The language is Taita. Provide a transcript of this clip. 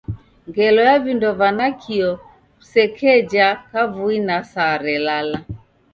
Ngelo ya vindo va nakio kusekeja kavui na saa relala.